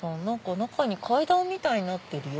中に階段みたいになってるよ。